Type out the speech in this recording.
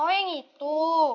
oh yang itu